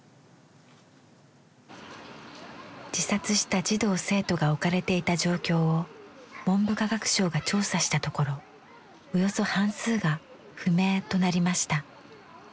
自殺した児童生徒が置かれていた状況を文部科学省が調査したところおよそ半数が「不明」となりました。